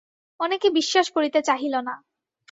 অনেকে বিশ্বাস করিতে চাহিল না।